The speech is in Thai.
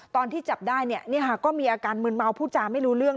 ตอนที่จับได้ก็มีอาการมืนเมาผู้จาไม่รู้เรื่อง